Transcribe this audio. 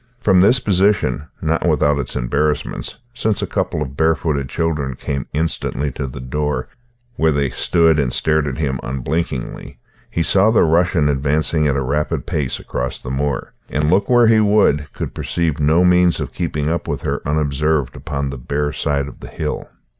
From this position not without its embarrassments, since a couple of barefooted children came instantly to the door, where they stood and stared at him unblinkingly he saw the Russian advancing at a rapid pace across the moor; and, look where he would, could perceive no means of keeping up with her unobserved upon the bare side of the hill.